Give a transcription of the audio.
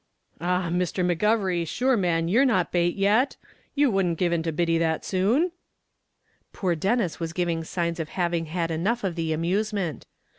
"Ah! Mr. McGovery, shure man, you're not bait yet! you wouldn't give in to Biddy that soon?" Poor Denis was giving signs of having had enough of the amusement.